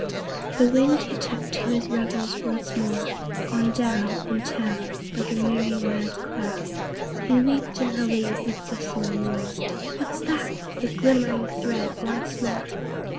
The Wind, he took to his revels once more; On down In town, Like a merry mad clown, He leaped and halloed with whistle and roar, "What's that?" The glimmering thread once more!